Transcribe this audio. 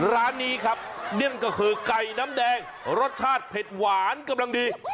ร้านนี้ครับนั่นก็คือไก่น้ำแดงรสชาติเผ็ดหวานกำลังดี